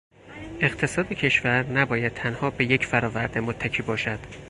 اقتصاد کشور نباید تنها به یک فرآورده متکی باشد.